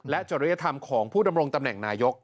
จริยธรรมของผู้ดำรงตำแหน่งนายก